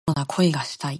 ドラマのような恋がしたい